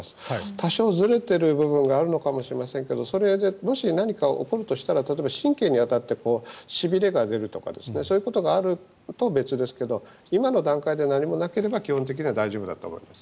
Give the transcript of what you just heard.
多少ずれている部分があるのかもしれませんがそれでもし何か起こるとしたら例えば、神経に当たってしびれが出るとかそういうことがあると別ですけど今の段階で何もなければ基本的には大丈夫だと思います。